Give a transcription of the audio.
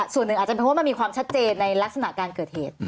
ส่วนหนึ่งอาจจะบอกว่ามันเป็นความชัดเจนในลักษณะการเกิดเหตุ